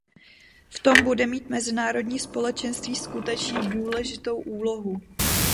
V tom bude mít mezinárodní společenství skutečně důležitou úlohu.